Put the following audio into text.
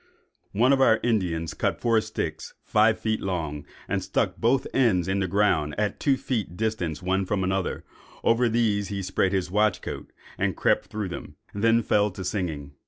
"One of our Indians cut four sticks, five feet long, and stuck both ends in the ground, at two feet distance one from another; over these he spread his watch coat, and crept through them, and then fell to singing.